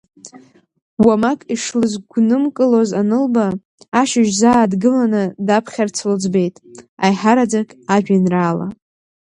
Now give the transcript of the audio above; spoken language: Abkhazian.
Уамак ишлызгәнымкылоз анылба, ашьыжь, заа дгыланы, даԥхьарц лӡбеит, аиҳараӡак ажәеинраала.